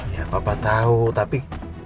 ya pah tau tapi